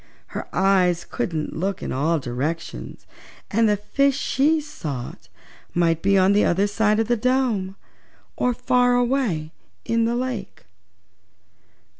Her eyes couldn't look in all directions and the fishes she sought might be on the other side of the dome, or far away in the lake.